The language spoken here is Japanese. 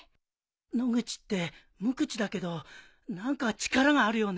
野口って無口だけど何か力があるよね。